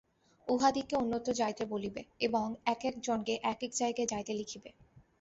উহাদিগকে অন্যত্র যাইতে বলিবে এবং এক এক জনকে এক এক জায়গায় যাইতে লিখিবে।